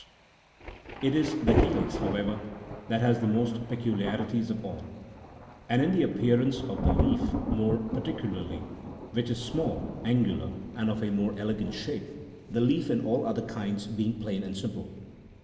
15 It is the helix, however, that has the most peculiarities of all, and in the appearance of the leaf more particularly, which is small, angular, and of a more elegant shape, the leaf in all the other kinds being plain and simple.